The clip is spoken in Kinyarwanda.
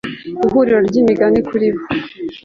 ihuriro ry imigani kuri bo